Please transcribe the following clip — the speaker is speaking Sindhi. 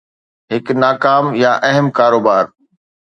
هڪ ناڪام يا اهم ڪاروبار